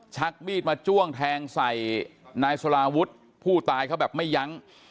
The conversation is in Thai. ชักมีดมาจ้วงแทงใส่นายสลาวุฒิผู้ตายเขาแบบไม่ยั้ง